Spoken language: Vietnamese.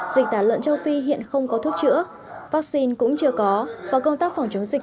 dịch tả lợn châu phi hiện không có thuốc chữa vaccine cũng chưa có và công tác phòng chống dịch